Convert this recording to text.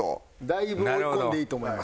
だいぶ追い込んでいいと思います。